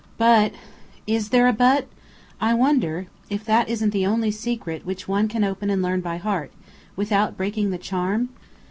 But " "Is there a 'but'? I wonder if that isn't the only secret which one can open and learn by heart, without breaking the charm?"